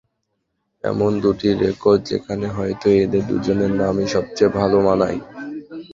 এমন দুটি রেকর্ড, যেখানে হয়তো এঁদের দুজনের নামই সবচেয়ে ভালো মানায়।